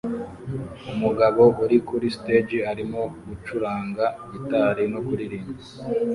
Umugabo uri kuri stage arimo gucuranga gitari no kuririmba